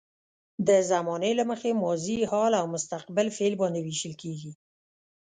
د زمانې له مخې ماضي، حال او مستقبل فعل باندې ویشل کیږي.